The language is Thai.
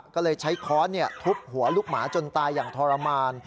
ก็เลยใช้ค้อนทุบหัวลูกหมาจนตายอย่างทรมาน